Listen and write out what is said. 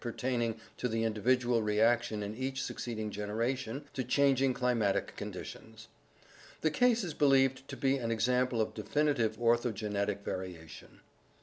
[pertaining to the individual] reaction in each succeeding generation to changing climatic conditions. The case is believed to be an example of definitive oncogenetic variation."